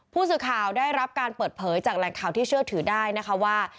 ผู้สื่อข่าวได้รับการเปิดเผยจากแหล่งข่าวที่เชื่อถือได้นะคะว่า